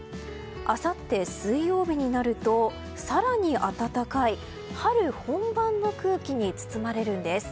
あさって水曜日になると更に暖かい春本番の空気に包まれるんです。